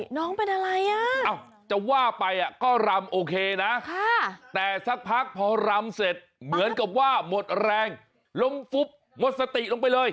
น้องเป็นอะไรอ่ะจะว่าไปก็รำโอเคนะแต่สักพักพอรำเสร็จเหมือนกับว่าหมดแรงล้มฟุบหมดสติลงไปเลย